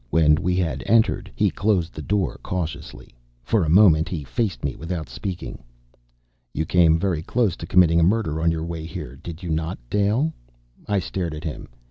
When we had entered, he closed the door cautiously. For a moment he faced me without speaking. "You came very close to committing a murder on your way here, did you not, Dale?" I stared at him.